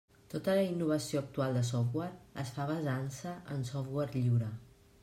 Tota la innovació actual de software es fa basant-se en software lliure.